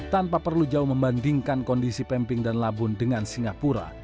tanpa perlu jauh membandingkan kondisi pemping dan labun dengan singapura